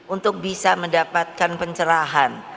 untuk bisa mendapatkan pencerahan